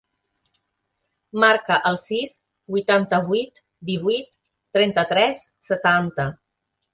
Marca el sis, vuitanta-vuit, divuit, trenta-tres, setanta.